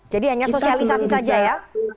jadi hanya sosialisasi saja ya